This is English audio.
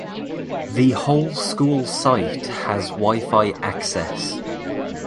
The whole school site has WiFi access.